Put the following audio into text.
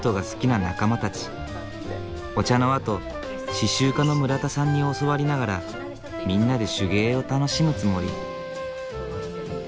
お茶のあと刺しゅう家の村田さんに教わりながらみんなで手芸を楽しむつもり。